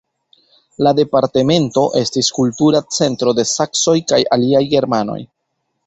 La departemento estis kultura centro de saksoj kaj aliaj germanoj.